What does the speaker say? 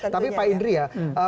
tapi pak indri ya